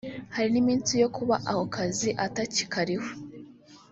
hari n’iminsi yo kuba ako kazi atakikariho